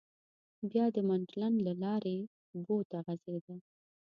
بیا د منډلنډ له لارې بو ته غځېده.